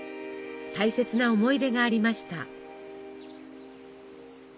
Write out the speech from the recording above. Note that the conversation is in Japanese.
大切な思い出がありました。